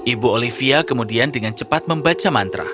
ibu olivia kemudian dengan cepat membaca mantra